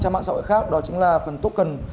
trang mạng xã hội khác đó chính là phần token